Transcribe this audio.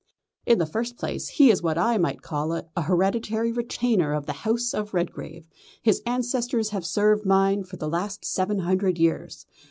"In the first place he is what I might call an hereditary retainer of the House of Redgrave. His ancestors have served mine for the last seven hundred years.